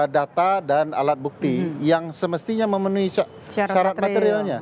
data dan alat bukti yang semestinya memenuhi syarat materialnya